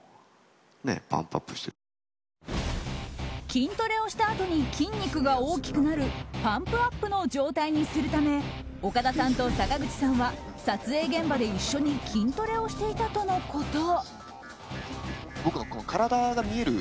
筋トレをしたあとに筋肉が大きくなるパンプアップの状態にするため岡田さんと坂口さんは撮影現場で一緒に筋トレをしていたとのこと。